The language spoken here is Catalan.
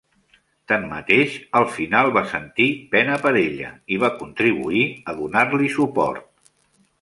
Tanmateix, al final va sentir pena per ella i va contribuir a donar-li suport.